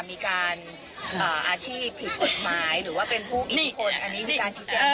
มีการอาชีพผิดกฎหมายหรือว่าเป็นผู้อิทธิพลอันนี้มีการชี้แจง